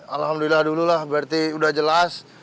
alhamdulillah dulu lah berarti sudah jelas